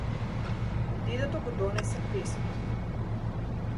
Дедото го донесе песот.